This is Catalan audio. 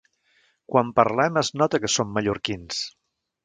Quan parlem, es nota que som mallorquins.